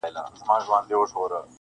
• او یو ځل وای په خدایي خلکو منلی -